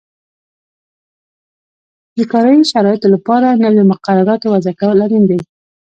د کاري شرایطو لپاره نویو مقرراتو وضعه کول اړین دي.